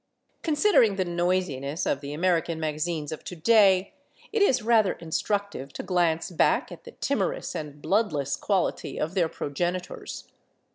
Considering the noisiness of the American magazines of to day, it is rather instructive to glance back at the timorous and bloodless quality of their progenitors.